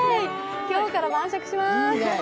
今日から晩酌しまーす。